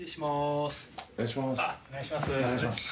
お願いします。